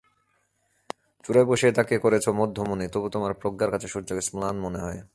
চূড়ায় বসিয়ে তাকে করেছ মধ্যমণি, তবুতোমার প্রজ্ঞার কাছে সূর্যকে ম্লান মনে হয়।